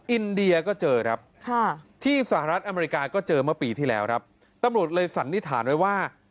อินเดียก็เจอครับที่สหรัฐอเมริกาก็เจอเมื่อปีที่แล้วครับตำรวจเลยสันนิษฐานไว้ว่า